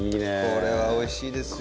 これは美味しいですよ。